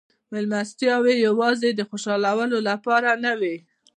مېلمستیاوې یوازې د خوشحالولو لپاره نه وې.